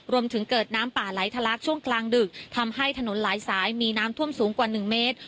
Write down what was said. รวมถึงเกิดน้ำป่าไหลทะลักช่วงกลางดึกทำให้ถนนหลายสายมีน้ำท่วมสูงกว่า๑เมตร